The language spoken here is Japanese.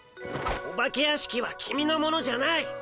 お化け屋敷はキミのものじゃない。